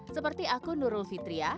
seperti akun nurul fitria